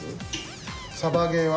サバゲーは？